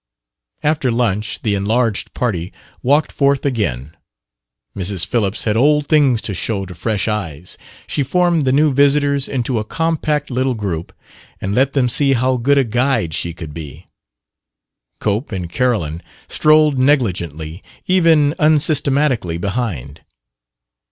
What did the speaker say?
After lunch the enlarged party walked forth again. Mrs. Phillips had old things to show to fresh eyes: she formed the new visitors into a compact little group and let them see how good a guide she could be. Cope and Carolyn strolled negligently even unsystematically behind.